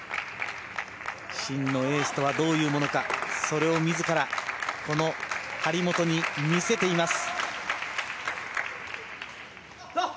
真のエースとはどんなものかそれを自ら張本に見せています。